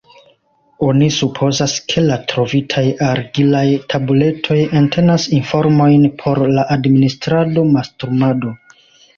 Oni supozas, ke la trovitaj argilaj tabuletoj entenas informojn por la administrado, mastrumado.